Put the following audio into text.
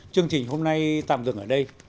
chương trình hôm nay tạm dừng ở đây